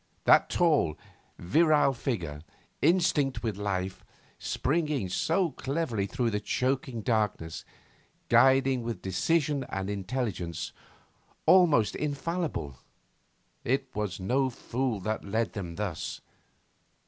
That tall, virile figure, instinct with life, springing so cleverly through the choking darkness, guiding with decision and intelligence, almost infallible it was no fool that led them thus.